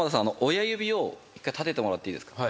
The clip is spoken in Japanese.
親指を１回立ててもらっていいですか？